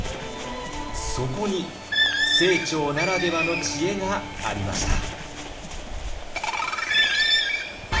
そこに清張ならではの知恵がありました。